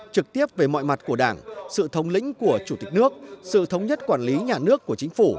trực tiếp về mọi mặt của đảng sự thống lĩnh của chủ tịch nước sự thống nhất quản lý nhà nước của chính phủ